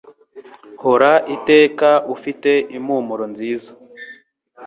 Hora iteka ufite impumuro nziz